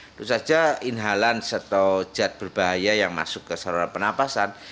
itu saja inhalan atau jad berbahaya yang masuk ke seluruh pernafasan